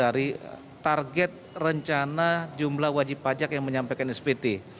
jadi target rencana jumlah wajib pajak yang menyampaikan spt